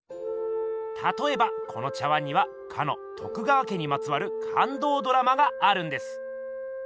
たとえばこの茶碗にはかの徳川家にまつわる感動ドラマがあるんです。